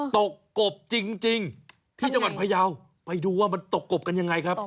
กบจริงที่จังหวัดพยาวไปดูว่ามันตกกบกันยังไงครับ